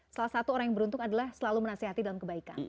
salah satu orang yang beruntung adalah selalu menasehati dalam kebaikan